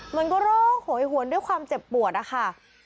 มันก็ร้องโหยหวนด้วยความเจ็บปวดนะคะ